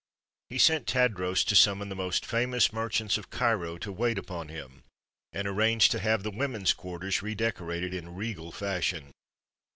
He sent Tadros to summon the most famous merchants of Cairo to wait upon him, and arranged to have the women's quarters redecorated in regal fashion.